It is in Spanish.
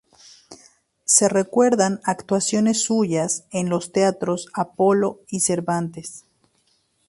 Se recuerdan actuaciones suyas en los teatros Apolo y Cervantes.